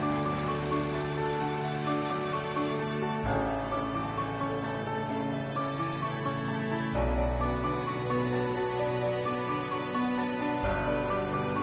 melahirkan bahwa sistem industrie ini hal hal sayat lalu berpengaruh disud mei